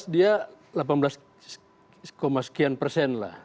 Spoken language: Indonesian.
dua ribu empat belas dia delapan belas sekian persen lah